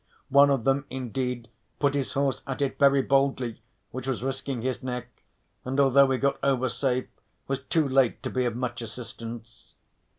One of them indeed put his horse at it very boldly, which was risking his neck, and although he got over safe was too late to be of much assistance.